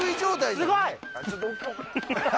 すごい。